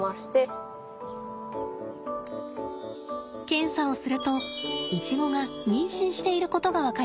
検査をするとイチゴが妊娠していることが分かりました。